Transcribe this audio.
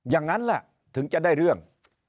อย่างนั้นแหละถึงจะได้เรื่อง